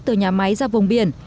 từ nhà máy ra vùng biển